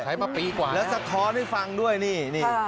มาปีกว่าแล้วสะท้อนให้ฟังด้วยนี่